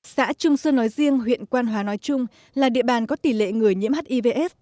xã trung sơn nói riêng huyện quan hóa nói chung là địa bàn có tỷ lệ người nhiễm hiv